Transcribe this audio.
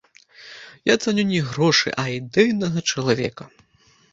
Я цаню не грошы, а ідэйнага чалавека.